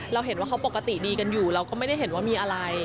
เราเห็นว่าเขาปกติดีกันอยู่เราก็ไม่ได้เห็นว่ามีอะไร